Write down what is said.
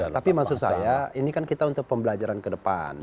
tapi maksud saya ini kan kita untuk pembelajaran ke depan